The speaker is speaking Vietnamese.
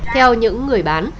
theo những người bán